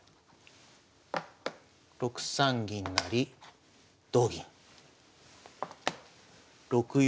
６三銀成同銀６四